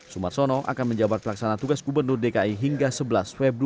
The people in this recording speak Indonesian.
sumat sono akan menjabat pelaksana tugas gubernur dki hingga sebelas februari